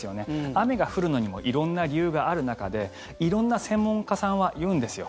雨が降るのにも色んな理由がある中で色んな専門家さんは言うんですよ。